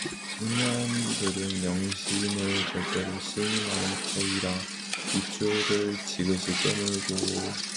청년들은 영신을 절대로 신임하는 터이라 입술을 지그시 깨물고 침통한 표정을 지을 뿐이다.